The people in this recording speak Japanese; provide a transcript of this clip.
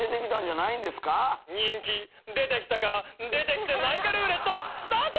人気出てきたか出てきてないかルーレットスタート！